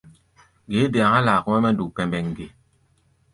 Ge é dea há̧ laa kɔ́-mɛ́ mɛ́ duk pɛmbɛŋ ge?